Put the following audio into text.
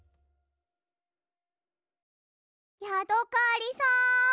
ヤドカリさん！